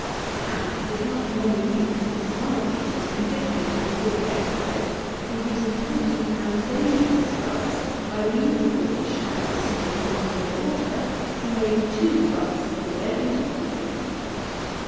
And, it is not many weeks since one of these was convicted, in the Court of Excise, for using potent and dangerous drugs, by the means of which, and a suitable quantity of water, he made two buts of beer into three.